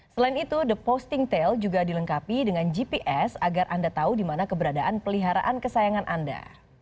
selain itu the posting tail juga dilengkapi dengan gps agar anda tahu di mana keberadaan peliharaan kesayangan anda